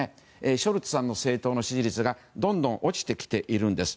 ショルツさんの政党の支持率がどんどん落ちてきているんです。